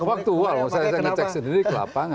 faktual saya ngecek sendiri ke lapangan